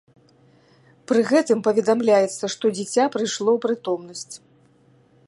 Пры гэтым паведамляецца, што дзіця прыйшло ў прытомнасць.